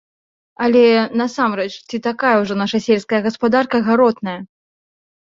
Але, насамрэч, ці такая ўжо наша сельская гаспадарка гаротная?